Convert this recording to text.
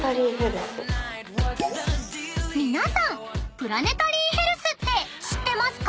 プラネタリーヘルスって知ってますか？］